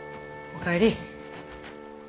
お帰り。